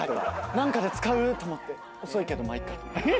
何かで使うと思って遅いけどまあいっか。